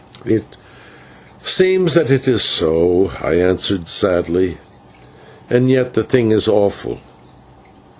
"It seems that it is so," I answered sadly, "and yet the thing is awful."